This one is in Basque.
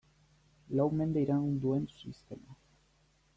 Lau mende iraun duen sistema.